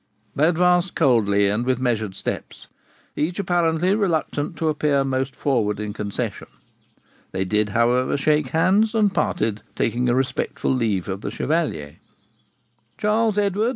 They advanced coldly, and with measured steps, each apparently reluctant to appear most forward in concession. They did, however, shake hands, and parted, taking a respectful leave of the Chevalier. Charles Edward [Footnote: See Note 12.